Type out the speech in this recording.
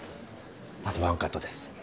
あとワンカットです。